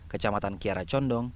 kecamatan kiara condong